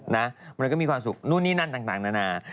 มันก็มีความสุขนู่นนี่นั่นต่างนานา